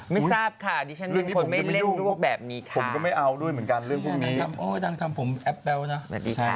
ไม่ทราบค่ะฉันเป็นคนไม่เล่นภูเขาแบบนี้ค่ะ